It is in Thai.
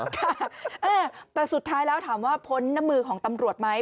ค่ะแต่สุดท้ายแล้วถามว่าพ้นน้ำมือของตำรวจไหม